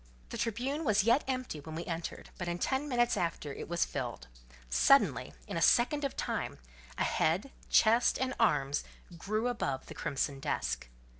The Tribune was yet empty when we entered, but in ten minutes after it was filled; suddenly, in a second of time, a head, chest, and arms grew above the crimson desk.